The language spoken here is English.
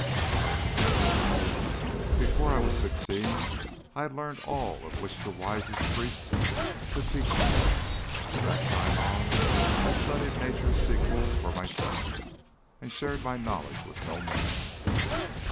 I was an apt pupil. Before I was sixteen I had learned all which the wisest priest could teach me. From that time on I studied Nature's secrets for myself, and shared my knowledge with no man.